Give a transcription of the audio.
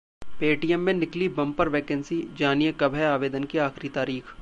Paytm में निकली bumper vacancy, जानिये कब है आवेदन की आखिरी तारीख